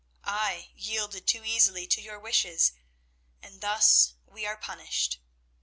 I yielded too easily to your wishes, and thus we are punished.